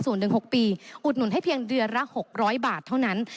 ศูนย์หนึ่งหกปีอุดหนุนให้เพียงเดือนละหกร้อยบาทเท่านั้น